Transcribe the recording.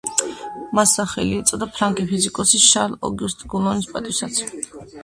მას სახელი ეწოდა ფრანგი ფიზიკოსის შარლ ოგიუსტენ კულონის პატივსაცემად.